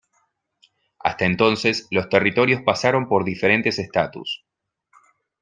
Hasta entonces los territorios pasaron por diferentes estatus.